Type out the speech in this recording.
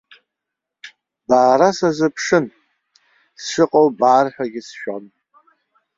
Баара сазыԥшын, сшыҟоу баарҳәагьы сшәон.